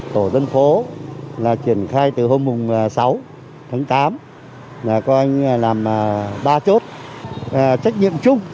tổ dân phố là triển khai từ hôm sáu tháng tám là coi làm ba chốt trách nhiệm chung